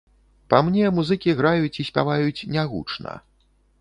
Па мне, музыкі граюць і спяваюць не гучна.